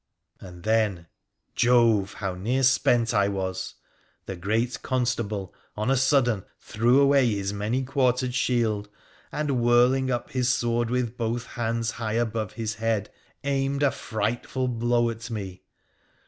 And then — Jove ! how near spent I was !— the great Constable, on a sudden, threw away his many quartered sbield, and, whirling up his sword with both hands high above his head, aimed a frightful blow at me.